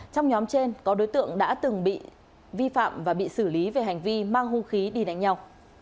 trong nhóm trên có đối tượng đã từng bị vi phạm và bị xử lý về hành vi mang hung khí đi đánh nhau